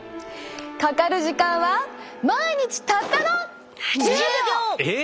かかる時間は毎日たったのえっ！